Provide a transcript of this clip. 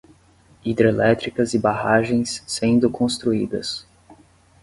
Hidrelétricas e barragens sendo construídas